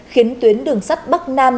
khiến tuyến đường sắt bắc nam